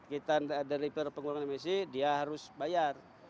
kita deliver pengurangan emisi dia harus bayar